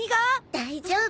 大丈夫。